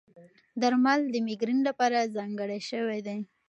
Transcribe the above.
درمل د مېګرین لپاره ځانګړي شوي دي.